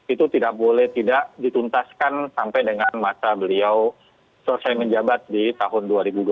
itu tidak boleh tidak dituntaskan sampai dengan masa beliau selesai menjabat di tahun dua ribu dua puluh